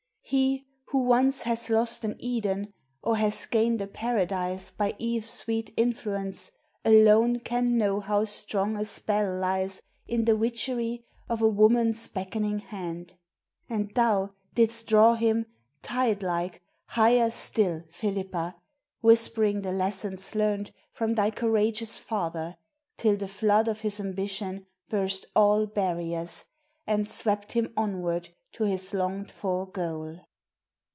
He Who once has lost an Eden, or has gained A paradise by Eve's sweet influence, Alone can know how strong a spell lies in The witchery of a woman's beckoning hand. And thou didst draw him, tide like, higher still, Felipa, whispering the lessons learned From thy courageous father, till the flood Of his ambition burst all barriers And swept him onward to his longed for goal.